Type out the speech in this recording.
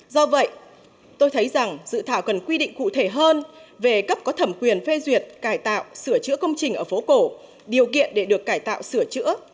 do vậy tôi thấy rằng dự thảo cần quy định cụ thể hơn về cấp có thẩm quyền phê duyệt cải tạo sửa chữa công trình ở phố cổ điều kiện để được cải tạo sửa chữa